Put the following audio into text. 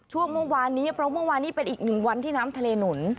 ช่วงเมื่อวานนี้เพราะเมื่อวานนี้เป็นอีกหนึ่งวันที่น้ำทะเลหนุน